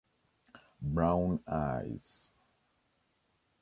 Brown eyes.